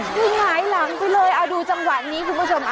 พึ่งหายหลังไปเลยดูจังหวะนี้คุณผู้ชม